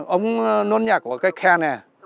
ống nuôn nhạc của cái khe này